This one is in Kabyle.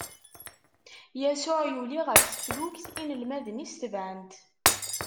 Yasuɛ yuli ɣer teflukt, inelmaden-is tebɛen-t.